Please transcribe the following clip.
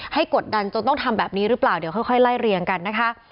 กดดันจนต้องทำแบบนี้หรือเปล่าเดี๋ยวค่อยไล่เรียงกันนะคะ